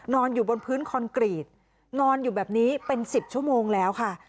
นอนอยู่บนพื้นคอนกรีตนอนอยู่แบบนี้เป็น๑๐ชั่วโมงแล้วค่ะ